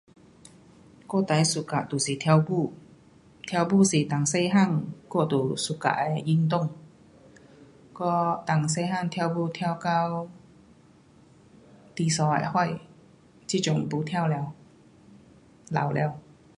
我最 suka 就是跳舞，跳舞小时候我就喜欢运动，我但小时跳舞、跳到第三会，这时不跳了，老了